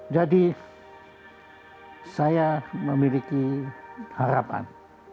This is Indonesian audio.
jadi saya memiliki harapan